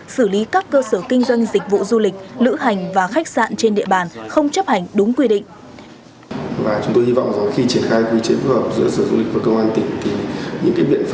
xử lý các cơ sở kinh doanh dịch vụ du lịch lữ hành và khách sạn trên địa bàn không chấp hành đúng quy định